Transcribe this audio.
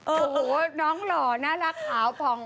โอ้โหน้องหล่อน่ารักขาวผ่อง